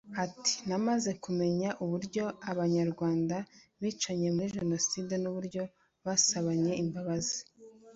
Ati “ Namaze kumenya uburyo abanyarwanda bicanye muri Jenoside n’uburyo basabanye imbabazi